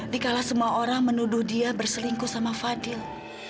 dikala semua orang menuduh dia berselingkuh sama fadil